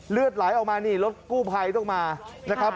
เลือดไหลออกมานี่รถกู้ภัยต้องมานะครับ